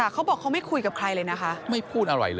เขาบอกเขาไม่คุยกับใครเลยนะคะ